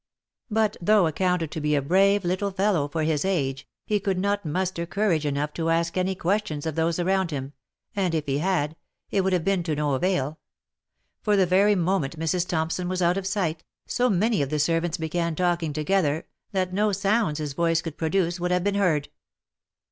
But though accounted to be a brave little fellow for his age, he could not muster courage enough to ask any questions of those around him, and if he had, it would have been of no avail ; for the very moment Mrs. Thompson was out of sight, so many of the servants began talking together, that no sounds his voice could produce would have been heard.